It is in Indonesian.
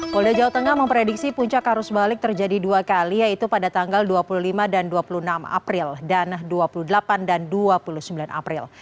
polda jawa tengah memprediksi puncak arus balik terjadi dua kali yaitu pada tanggal dua puluh lima dan dua puluh enam april dan dua puluh delapan dan dua puluh sembilan april